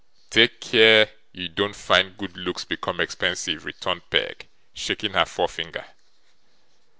'Take care you don't find good looks come expensive,' returned Peg, shaking her forefinger.